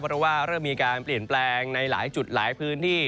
เพราะว่าเริ่มมีการเปลี่ยนแปลงในหลายจุดหลายพื้นที่